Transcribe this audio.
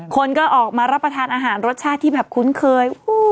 คนก็ออกมารับประทานอาหารรสชาติที่แบบคุ้นเคย